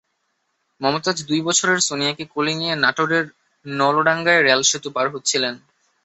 মমতাজ দুই বছরের সোনিয়াকে কোলে নিয়ে নাটোরের নলডাঙ্গায় রেলসেতু পার হচ্ছিলেন।